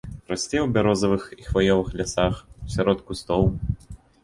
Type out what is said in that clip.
Расце ў бярозавых і хваёвых лясах, сярод кустоў.